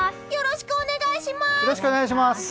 よろしくお願いします！